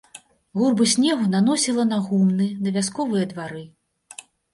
Гурбы снегу наносіла на гумны, на вясковыя двары.